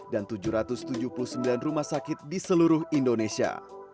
dan tujuh ratus tujuh puluh sembilan rumah sakit di seluruh indonesia